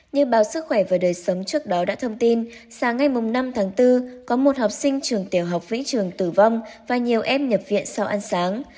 như báo sức khỏe và đời sống trước đó đã thông tin sáng ngày năm tháng bốn có một học sinh trường tiểu học vĩnh trường tử vong và nhiều em nhập viện sau ăn sáng